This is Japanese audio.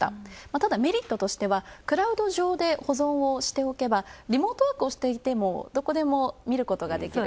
ただ、メリットとしてはクラウド上で保存をしておけば、リモートワークをしていても、どこでも見ることができる。